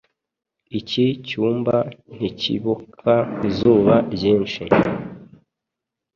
Iki cyumba ntikibona izuba ryinshi